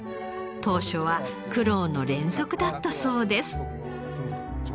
当初は苦労の連続だったそうです。